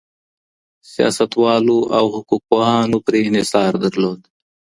سياستوالو او حقوق پوهانو پرې انحصار درلود.